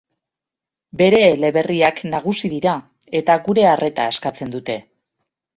Bere eleberriak nagusi dira eta gure arreta eskatzen dute.